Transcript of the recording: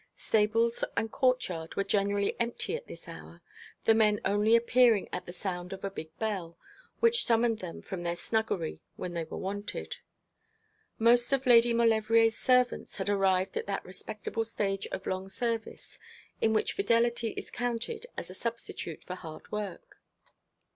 Stables and courtyard were generally empty at this hour, the men only appearing at the sound of a big bell, which summoned them from their snuggery when they were wanted. Most of Lady Maulevrier's servants had arrived at that respectable stage of long service in which fidelity is counted as a substitute for hard work.